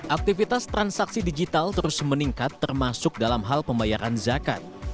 aktivitas transaksi digital terus meningkat termasuk dalam hal pembayaran zakat